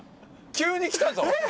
急にきたぞ！